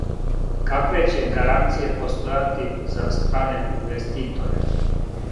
Какве ће гаранције постојати за стране инвеститоре?